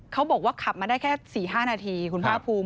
เขาบอกว่าขับมาได้แค่๔๕นาทีคุณภาคภูมิ